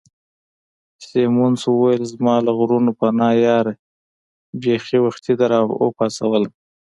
سیمونز وویل: زما له غرونو پناه یاره، بیخي وختي دي را وپاڅولم.